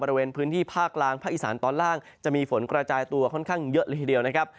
บริเวณพื้นที่ภาคกลางภาคอีสานตอนล่างจะมีฝนกระจายตัวค่อนข้างเยอะเลยทีเดียวนะครับ